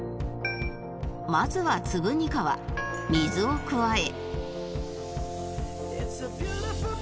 まずは粒ニカワ水を加え